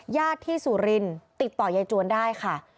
ญาติที่สุรินติดต่อยายจวนได้ค่ะ